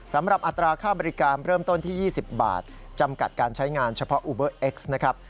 อัตราค่าบริการเริ่มต้นที่๒๐บาทจำกัดการใช้งานเฉพาะอูเบอร์เอ็กซ์นะครับ